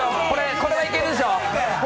これはいけるでしょ！